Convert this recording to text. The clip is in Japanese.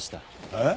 えっ？